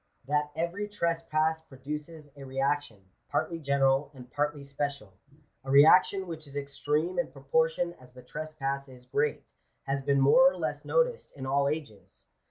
That every trespass produces a reaction, partly general and partly special — a reaction which is extreme in proportion as the trespass is great, has been more or less noticed in all ages.